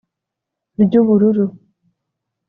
Ry’ubururu.